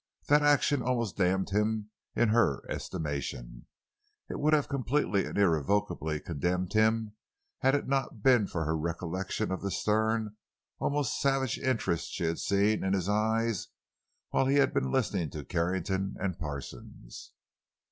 That action had almost damned him in her estimation—it would have completely and irrevocably condemned him had it not been for her recollection of the stern, almost savage interest she had seen in his eyes while he had been listening to Carrington and Parsons.